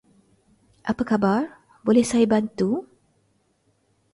Apa khabar boleh saya bantu?